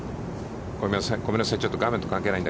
ごめんなさい。